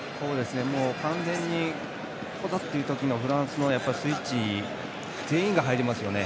もう完全に、ここだ！っていうときのフランスのスイッチ、全員が入りますよね。